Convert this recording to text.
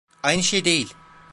Aynı şey değil.